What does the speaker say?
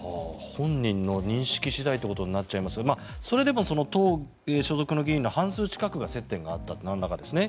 本人の認識次第ということになっちゃいますがそれでも党所属の議員の半数近くが接点があった、なんらか。